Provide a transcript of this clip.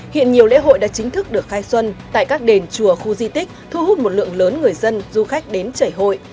hiện nhiều lễ hội đã chính thức được khai xuân tại các đền chùa khu di tích thu hút một lượng lớn người dân du khách đến chảy hội